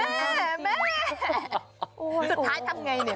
สุดท้ายทำไงเนี่ย